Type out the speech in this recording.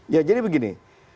ya jadi begini